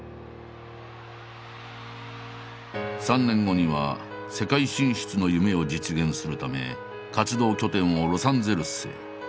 ３年後には世界進出の夢を実現するため活動拠点をロサンゼルスへ。